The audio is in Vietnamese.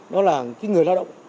nó là cái người lao động